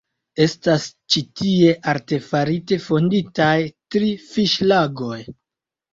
Estas ĉi tie artefarite fonditaj tri fiŝlagoj.